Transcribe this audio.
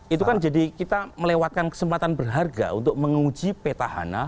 itu kan jadi kita melewatkan kesempatan berharga untuk menguji petahana